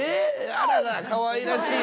あららかわいらしい。